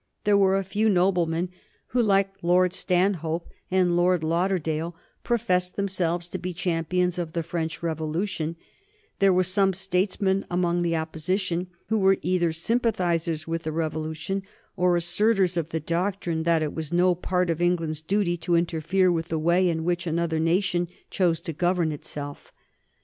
There were a few noblemen who, like Lord Stanhope and Lord Lauderdale, professed themselves to be champions of the French Revolution; there were some statesmen among the Opposition who were either sympathizers with the Revolution or asserters of the doctrine that it was no part of England's duty to interfere with the way in which another nation chose to govern herself.